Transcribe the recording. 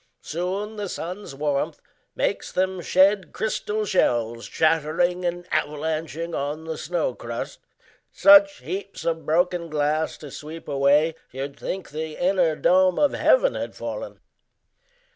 Soon the sun's warmth makes them shed crystal shells Shattering and avalanching on the snow crust Such heaps of broken glass to sweep away You'd think the inner dome of heaven had fallen.